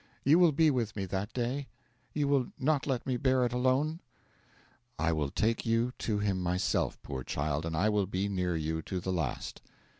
You will be with me that day? You will not let me bear it alone?' 'I will take you to him myself, poor child, and I will be near you to the last.'